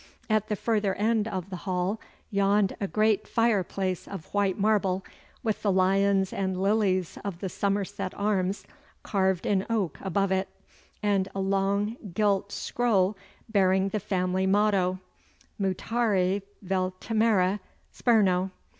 At the further end of the hall yawned a great fireplace of white marble, with the lions and lilies of the Somerset arms carved in oak above it, and a long gilt scroll bearing the family motto, "Mutare vel timere sperno."